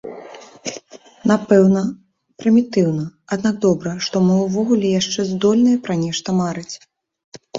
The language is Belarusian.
Напэўна, прымітыўна, аднак добра, што мы ўвогуле яшчэ здольныя пра нешта марыць.